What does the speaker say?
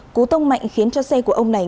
cú tông mạnh khiến cho xe của ông này